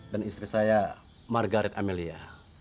dan istri saya margaret amelia